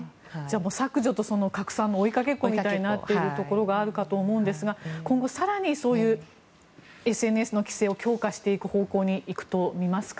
削除と拡散の追いかけっこみたいになっているところがあると思うんですが今後、更にそういうＳＮＳの規制を強化していく方向に行くとみますか？